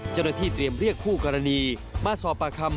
เจ้าหน้าที่เตรียมเรียกคู่กรณีมาสอบปากคำ